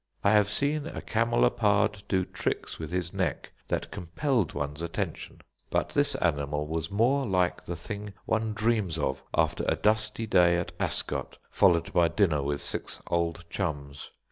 I have seen a camelopard do trick's with his neck that compelled one's attention, but this animal was more like the thing one dreams of after a dusty days at Ascot, followed by a dinner with six old chums.